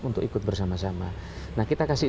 untuk ikut bersama sama nah kita kasih